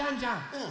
うん。